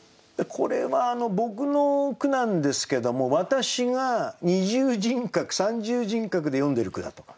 これは僕の句なんですけども私が二重人格三重人格で詠んでる句だと。